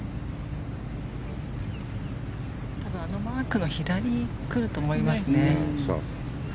多分あのマークの左に来ると思いますね。